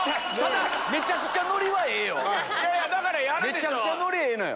めちゃくちゃノリええのよ。